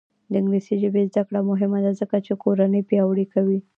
د انګلیسي ژبې زده کړه مهمه ده ځکه چې کورنۍ پیاوړې کوي.